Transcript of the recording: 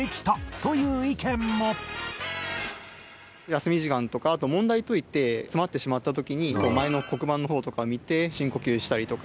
休み時間とかあと問題解いて詰まってしまった時に前の黒板の方とか見て深呼吸したりとか。